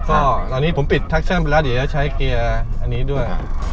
คราวนี้ผมปิดทักเชื่อมเวลาเดี๋ยวจะใช้เกียร์อันนี้ด้วย